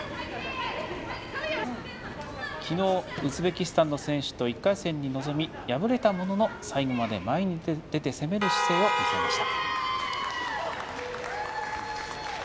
昨日、ウズベキスタンの選手と１回戦に臨み敗れたものの、最後まで前に出て攻める姿勢を見せました。